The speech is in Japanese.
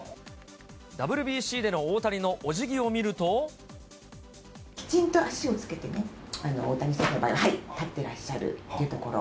ＷＢＣでの大谷のおじぎを見きちんと脚をつけてね、大谷さんの場合は立ってらっしゃるというところ。